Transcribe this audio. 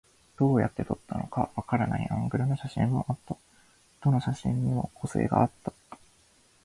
どうやって撮ったのかわからないアングルの写真もあった。どの写真にも個性があった。